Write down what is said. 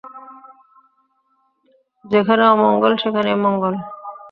যেখানে অমঙ্গল, সেখানেই মঙ্গল।